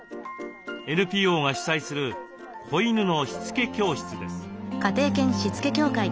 ＮＰＯが主催する子犬のしつけ教室です。